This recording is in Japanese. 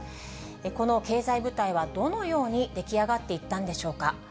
この経済部隊はどのように出来上がっていったんでしょうか。